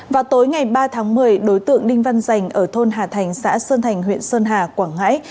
vào tối ngày ba tháng một mươi đối tượng đinh văn rành ở thôn hà thành xã sơn thành huyện sơn hà quảng ngãi